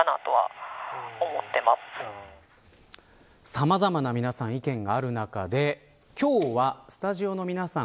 さまざまな意見がある中で今日はスタジオの皆さん